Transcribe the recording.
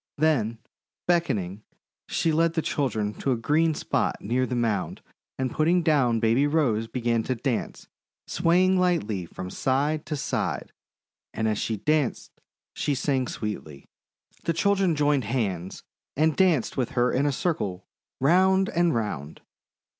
Then, beckoning, she led the children to a green spot near the mound and, putting down Baby Rose, began to dance, swaying lightly from side to side; and as she danced she sang sweetly. The children joined hands and danced with her in a circle, round and round.